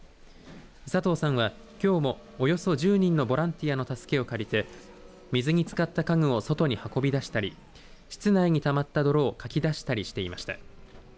佐藤さんは、きょうもおよそ１０人のボランティアの助けを借りて水につかった家具を外に運び出したり室内にたまった泥をかき出したりしていました。